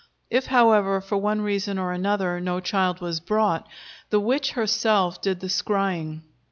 If, however, for one reason or another, no child was brought, the witch herself did the scrying.